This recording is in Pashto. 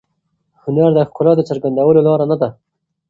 هنر د ښکلا د څرګندولو لاره نه ده.